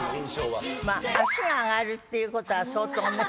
まぁ脚が上がるっていうことは相当。